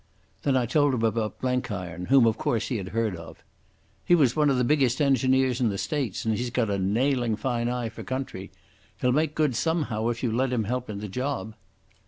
Then I told him about Blenkiron, whom of course he had heard of. "He was one of the biggest engineers in the States, and he's got a nailing fine eye for country. He'll make good somehow if you let him help in the job."